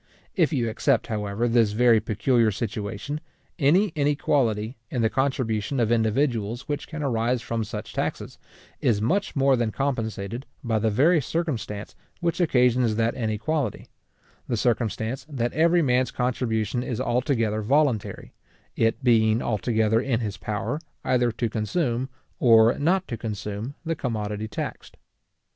If you except, however, this very peculiar situation, any inequality in the contribution of individuals which can arise from such taxes, is much more than compensated by the very circumstance which occasions that inequality; the circumstance that every man's contribution is altogether voluntary; it being altogether in his power, either to consume, or not to consume, the commodity taxed.